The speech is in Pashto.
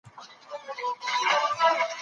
د انسان مقام د نورو پيدا سويو څيزونو څخه پورته دی.